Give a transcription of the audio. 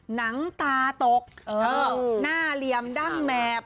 หนังตาตกหน้าเหลี่ยมดั้งแมบ